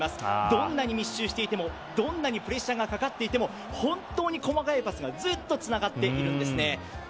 どんなに密集していてもどんなプレッシャーがかかっていても本当に細かいパスがずっとつながっているんですね。